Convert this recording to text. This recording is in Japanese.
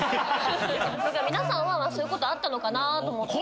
皆さんはそういうことあったのかなと思って。